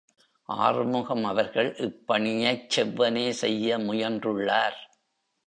ஆறுமுகம் அவர்கள் இப்பணியைச் செவ்வனே செய்ய முயன்றுள்ளார்.